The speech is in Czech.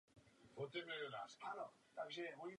Druhá dcera padla do římského zajetí.